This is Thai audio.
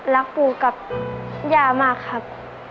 รักปู่กับย่ามากครับ